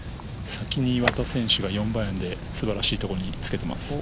先に岩田選手が４番アイアンで素晴らしいところにつけています。